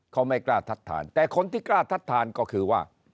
เขาไม่กล้าทัดทานแต่คนที่กล้าทัดทานก็คือว่า